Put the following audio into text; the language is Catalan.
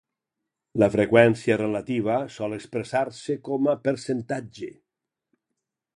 La freqüència relativa sol expressar-se com a percentatge.